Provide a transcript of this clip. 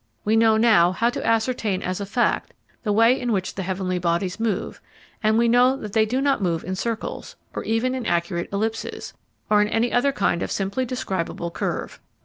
We know now how to ascertain as a fact the way in which the heavenly bodies move, and we know that they do not move in circles, or even in accurate ellipses, or in any other kind of simply describable curve.